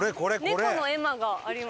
猫の絵馬があります。